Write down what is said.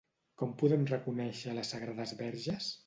Com podem reconèixer les sagrades verges?